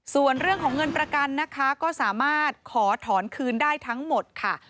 ส่วนเรื่องของเงินประกันนะคะก็สามารถขอถอนคืนได้ทั้งหมดค่ะ